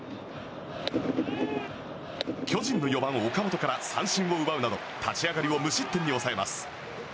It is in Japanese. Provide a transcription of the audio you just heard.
巨人の４番、岡本から三振を奪うなど立ち上がりを無失点で抑えます。